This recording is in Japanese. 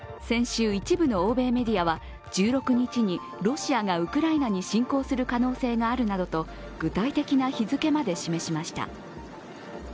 先週、一部の欧米メディアは１６日にロシアがウクライナに侵攻する可能性があるなどと具体的な日付まで示しました。